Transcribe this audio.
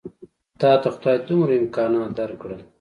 تاته خدای دومره امکانات درکړل.